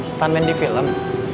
stuntman di film